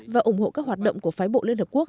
và ủng hộ các hoạt động của phái bộ liên hợp quốc